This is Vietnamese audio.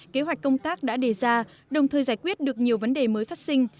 kế hoạch công tác đã đề ra đồng thời giải quyết được nhiều vấn đề mới phát sinh